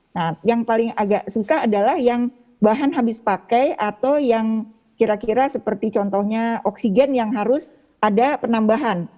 nah yang paling agak susah adalah yang bahan habis pakai atau yang kira kira seperti contohnya oksigen yang harus ada penambahan